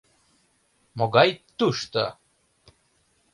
Могай тушто!